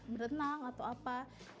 berenang atau apa